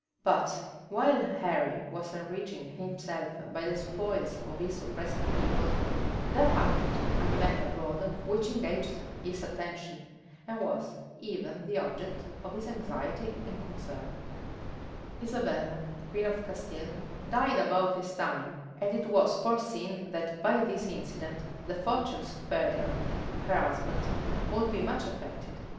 But while Henry was enriching himself by the spoils of his oppressed people, there happened an event abroad which engaged his attention, and was even the object of his anxiety and concern: Isabella, queen of Castile, died about this time and it was foreseen that by this incident the fortunes of Ferdinand, her husband, would be much affected.